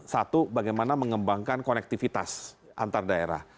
satu bagaimana mengembangkan konektivitas antar daerah